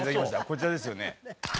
こちらですよね。